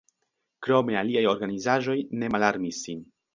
Krome aliaj organizaĵoj ne malarmis sin.